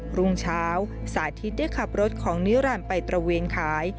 รุ่งเช้าสาธิตได้ขับรถของนิรันดิ์ไปตระเวนขาย